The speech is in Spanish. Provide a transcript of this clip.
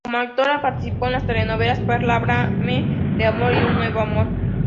Como actor participó en las telenovelas Perla, Háblame de amor y Un nuevo amor.